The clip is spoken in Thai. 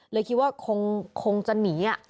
เลยคิดว่าคงจะหนี